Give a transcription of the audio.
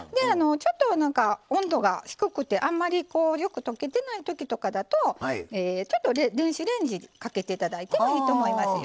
ちょっと温度が低くてあんまりよく溶けてない時とかだとちょっと電子レンジかけて頂いてもいいと思いますよ。